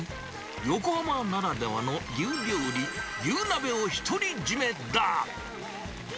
横浜ならではの牛料理、牛鍋を独り占めだ。